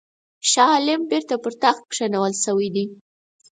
شاه عالم بیرته پر تخت کښېنول شوی دی.